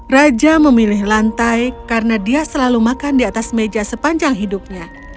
raja memilih lantai karena dia selalu makan di atas meja sepanjang hidupnya